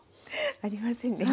ありませんね。